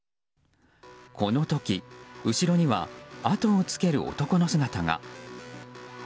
この時、後ろにはあとをつける男の姿が。